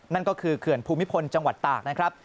นั่นก็คือเขื่อนภูมิพลจังหวัดตากนะครับ